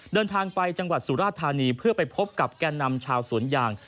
เดินทางไปจังหวัดสุราธานีเพื่อไปพบกับแก่นำชาวสวนยาง